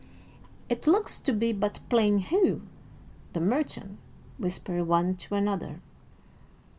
"It looks to be but plain Hugh, the merchant," whispered one to another.